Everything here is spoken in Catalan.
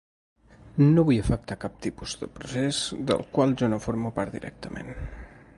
No vull afectar cap tipus de procés del qual jo no formo part directament.